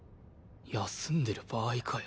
休んでる場合かよ。